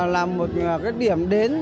là một cái điểm đến